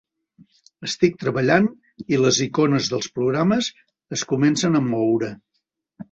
Estic treballant i les icones dels programes es començen a moure.